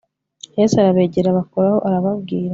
Yesu arabegera abakoraho arababwira